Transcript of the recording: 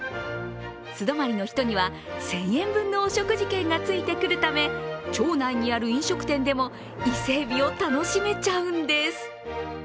素泊まりの人には１０００円分のお食事券がついてくるため町内にある飲食店でも伊勢えびを楽しめちゃうんです。